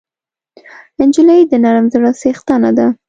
نجلۍ د نرم زړه څښتنه ده.